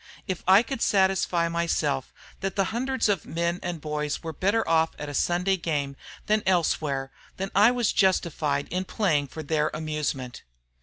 If I could satisfy myself that the hundreds of men and boys were better off at a Sunday game than elsewhere, then I was justified in playing for their amusement."